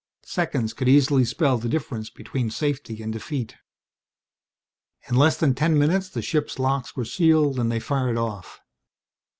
Seconds could easily spell the difference between safety and defeat. In less than ten minutes the ship's locks were sealed and they fired off.